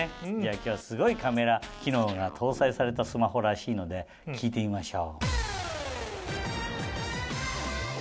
今日はすごいカメラ機能が搭載されたスマホらしいので聞いてみましょう。